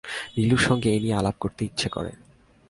নীলুর সঙ্গে এই নিয়ে আলাপ করতে ইচ্ছে করে।